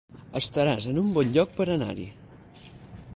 Estaràs es un bon lloc per anar-hi